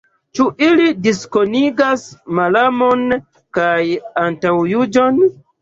Ĉu ili diskonigas malamon kaj antaŭjuĝon?